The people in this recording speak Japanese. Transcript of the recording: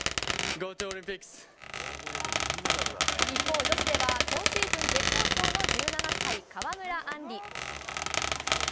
一方、女子では今シーズン絶好調の１７歳川村あんり。